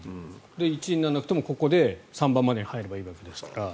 １位にならなくてもここで３番までに入ればいいわけですから。